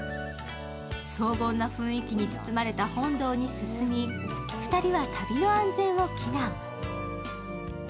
荘厳な雰囲気に包まれた本堂に進み、２人は旅の安全を祈願。